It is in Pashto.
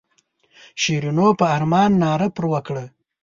شیرینو په ارمان ناره پر وکړه.